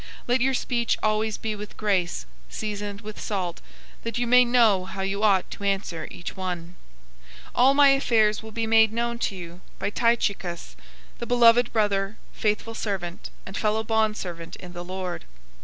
004:006 Let your speech always be with grace, seasoned with salt, that you may know how you ought to answer each one. 004:007 All my affairs will be made known to you by Tychicus, the beloved brother, faithful servant, and fellow bondservant in the Lord.